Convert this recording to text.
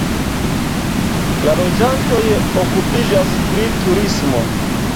La loĝantoj okupiĝas pri turismo.